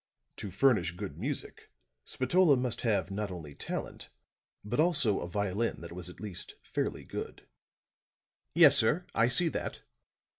To furnish good music, Spatola must have not only talent, but also a violin that was at least fairly good." "Yes, sir, I see that."